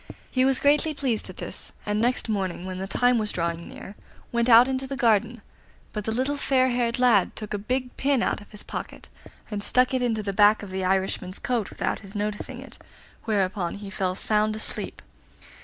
He was greatly pleased at this, and next morning, when the time was drawing near, went out into the garden; but the little fair haired lad took a big pin out of his pocket, and stuck it into the back of the Irishman's coat without his noticing it, whereupon he fell sound asleep.